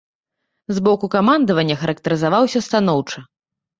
З боку камандавання характарызаваўся станоўча.